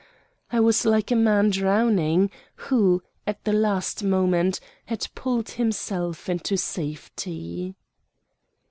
I was like a man drowning who, at the last moment, had pulled himself into safety.